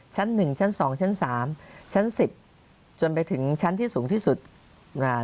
ชั้นหนึ่งชั้นสองชั้นสามชั้นสิบจนไปถึงชั้นที่สูงที่สุดอ่า